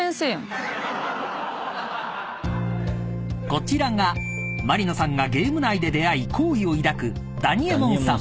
［こちらがマリナさんがゲーム内で出会い好意を抱く］